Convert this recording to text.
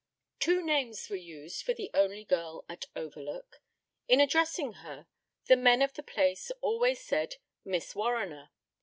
Two names were used for the only girl at Overlook. In addressing her, the men of the place always said "Miss Warriner."